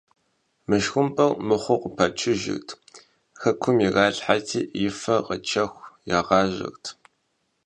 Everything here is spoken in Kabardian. Мышхумпӏэр мыхъуу къыпачыжырт, хьэкум иралъхьэрти, и фэр къэчэху, ягъажьэрт.